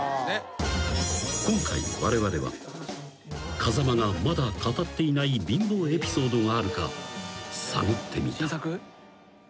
［今回われわれは風間がまだ語っていない貧乏エピソードがあるか探ってみた］